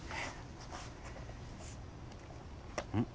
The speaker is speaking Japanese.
うん？